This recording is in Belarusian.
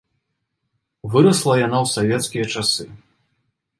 Вырасла яна ў савецкія часы.